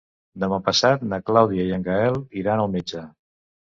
Demà passat na Clàudia i en Gaël iran al metge.